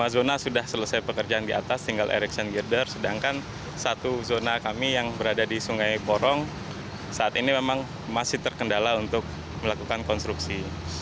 lima zona sudah selesai pekerjaan di atas tinggal erection girder sedangkan satu zona kami yang berada di sungai porong saat ini memang masih terkendala untuk melakukan konstruksi